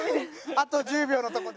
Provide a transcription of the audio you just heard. あと１０秒のとこで。